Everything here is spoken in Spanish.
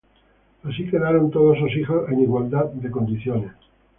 Así quedaron todos sus hijos en igualdad de condiciones.